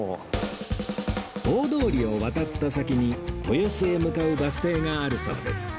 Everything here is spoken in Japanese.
大通りを渡った先に豊洲へ向かうバス停があるそうです